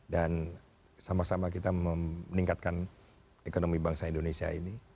dan sama sama kita meningkatkan ekonomi bangsa indonesia ini